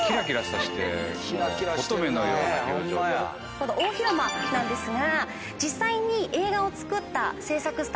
この大広間なんですが。